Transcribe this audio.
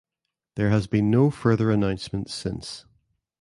There has been no further announcements since.